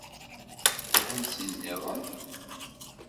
Ansi nniḍen?